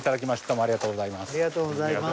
ありがとうございます。